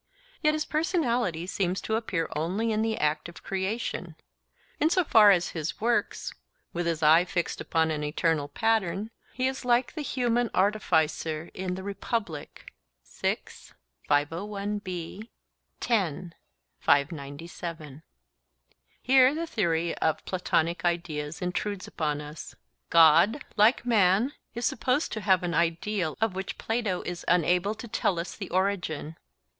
Yet his personality seems to appear only in the act of creation. In so far as he works with his eye fixed upon an eternal pattern he is like the human artificer in the Republic. Here the theory of Platonic ideas intrudes upon us. God, like man, is supposed to have an ideal of which Plato is unable to tell us the origin.